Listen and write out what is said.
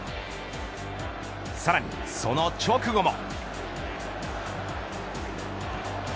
さらに、その直後も。